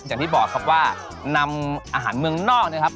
อย่างที่บอกครับว่านำอาหารเมืองนอกนะครับ